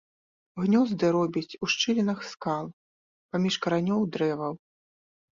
Гнёзды робіць у шчылінах скал, паміж каранёў дрэваў.